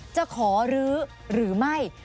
จะขอรื้อหรือไม่